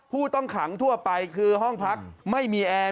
ผู้ต้องขังทั่วไปคือห้องพักไม่มีแอร์